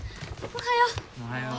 おはよう。